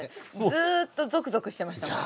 ずっとぞくぞくしてましたもん。